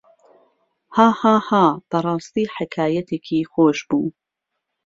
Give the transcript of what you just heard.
هاهاها بەڕاستی حەکایەتێکی خۆش بوو.